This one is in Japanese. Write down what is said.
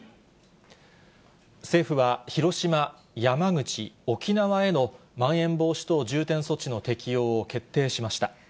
政府は、広島、山口、沖縄への、まん延防止等重点措置の適用を決定しました。